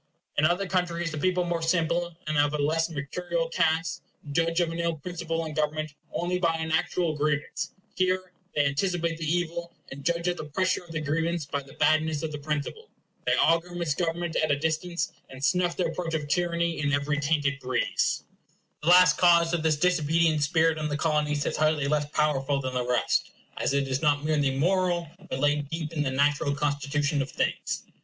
In other countries, the people, more simple, and of a less mercurial cast, judge of an ill principle in government only by an actual grievance; here they anticipate the evil, and judge of the pressure of the grievance by the badness of the principle. They augur misgovernment at a distance, and snuff the approach of tyranny in every tainted breeze. The last cause of this disobedient spirit in the Colonies is hardly less powerful than the rest, as it is not merely moral, but laid deep in the natural constitution of things.